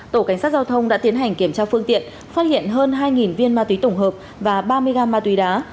tổ cảnh sát giao thông đã tiến hành kiểm tra phương tiện phát hiện hơn hai viên ma túy tổng hợp và ba mươi gam ma túy đá